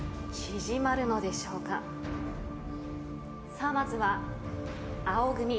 さあまずは青組。